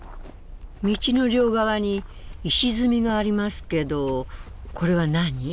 道の両側に石積みがありますけどこれは何？